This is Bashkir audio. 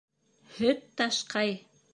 Һөт ташҡай